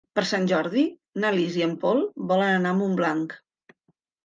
Per Sant Jordi na Lis i en Pol volen anar a Montblanc.